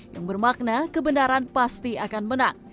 yang bermakna kebenaran pasti akan menang